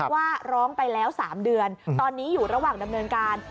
ว่าร้องไปแล้ว๓เดือนตอนนี้อยู่ระหว่างดำเนินการ